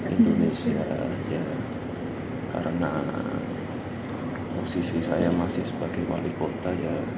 indonesia ya karena posisi saya masih sebagai wali kota ya